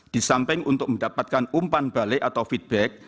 disamping untuk mendapatkan umpan balik atau feedback